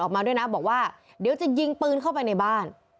ออกมาด้วยนะบอกว่าเดี๋ยวจะยิงปืนเข้าไปในบ้าน